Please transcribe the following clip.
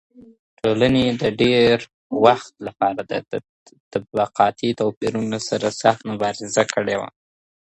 ټولني د ډېر وخت لپاره د طبقاتي توپيرونو سره سخته مبارزه کړې وه.